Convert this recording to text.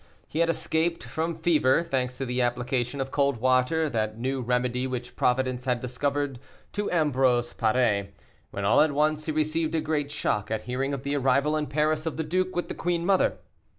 He had escaped from fever, thanks to the application of cold water, that new remedy which Providence had discovered to Ambrose Paré, when all at once he received a great shock at hearing of the arrival in Paris of the duke with the queen mother.